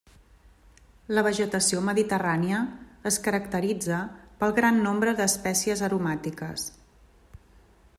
La vegetació mediterrània es caracteritza pel gran nombre d'espècies aromàtiques.